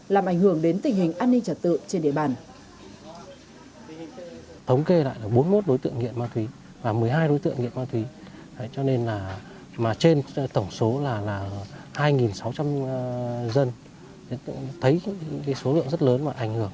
làm ảnh hưởng đến tình hình an ninh trật tự trên địa bàn